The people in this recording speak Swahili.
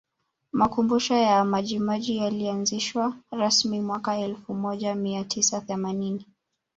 Makumbusho ya Majimaji yalianzishwa rasmi mwaka elfu moja mia tisa themanini